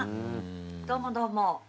どうもどうも。